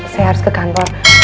saya harus ke kantor